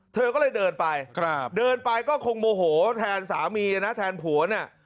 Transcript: เธอก็เลยเดินไปเดินไปก็คงโมโหแทนสามีนะแทนผัวเนี่ย